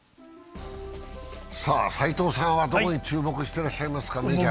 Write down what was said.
斎藤さんはどこに注目してらっしゃいますか？